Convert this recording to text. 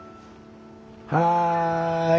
はい！